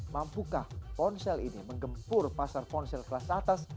mampukah ponsel ini menggempur pasar ponsel kelas atas